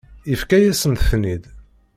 Yefka-yasent-ten-id.